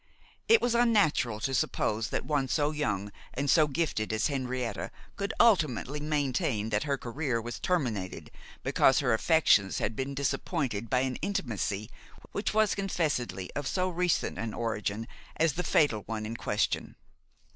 It was unnatural to suppose that one so young and so gifted as Henrietta could ultimately maintain that her career was terminated because her affections had been disappointed by an intimacy which was confessedly of so recent an origin as the fatal one in question.